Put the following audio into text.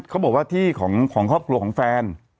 เขาบอกว่าที่ของครอบครัวของแฟน